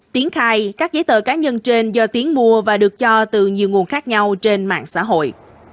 tiến khai các giấy tờ cá nhân trên do tiến mua và được cho từ nhiều nguồn khác nhau trên mạng xã hội